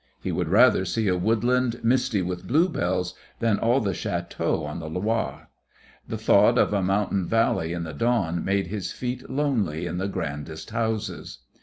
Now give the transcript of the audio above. He would rather see a woodland misty with bluebells than all the châteaux on the Loire; the thought of a mountain valley in the dawn made his feet lonely in the grandest houses.